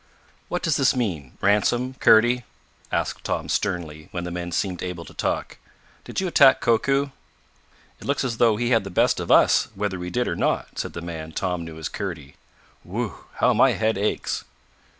"What does this mean Ransom Kurdy?" asked Tom sternly, when the men seemed able to talk. "Did you attack Koku?" "It looks as though he had the best of us, whether we did or not," said the man Tom knew as Kurdy. "Whew, how my head aches!"